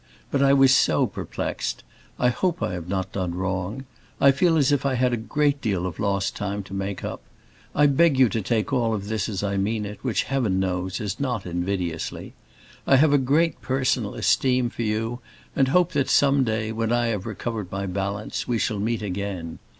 But I was so perplexed. I hope I have not done wrong. I feel as if I had a great deal of lost time to make up. I beg you take all this as I mean it, which, Heaven knows, is not invidiously. I have a great personal esteem for you and hope that some day, when I have recovered my balance, we shall meet again.